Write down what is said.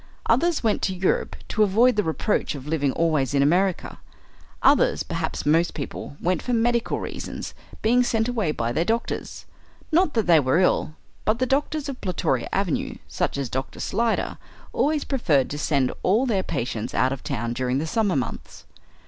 Others went to Europe to avoid the reproach of living always in America. Others, perhaps most people, went for medical reasons, being sent away by their doctors. Not that they were ill; but the doctors of Plutoria Avenue, such as Doctor Slyder, always preferred to send all their patients out of town during the summer months.